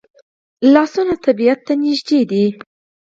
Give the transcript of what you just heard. لاسونه طبیعت ته نږدې دي